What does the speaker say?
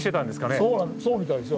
そうみたいですよ。